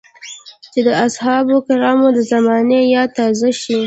چې د اصحابو کرامو د زمانې ياد تازه شي.